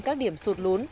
các điểm xuất hiện